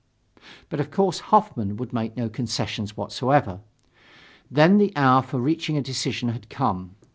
But, of course, Hoffmann would make no concessions whatsoever. Then the hour for reaching a decision had come.